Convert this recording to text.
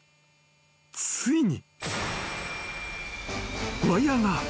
［ついに］